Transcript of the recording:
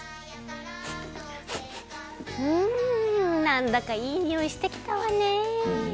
なんだかいいにおいしてきたわね！